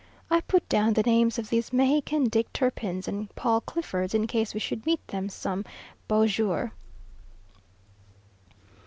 I put down the names of these Mexican Dick Turpins and Paul Cliffords, in case we should meet them some beau jour.